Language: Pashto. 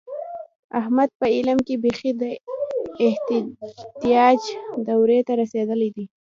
احمد په علم کې بیخي د اجتهاد دورې ته رسېدلی دی.